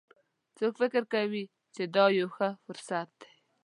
څوک فکر کوي چې دا یوه ښه فرصت ده